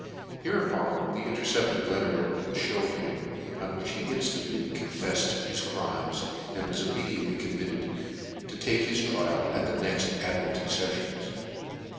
Hereupon the intercepted let ter was (hewn him, on which he inftantly confef fcd his crimes, and was immediately committed to take his trial at the next Admiralty feffions.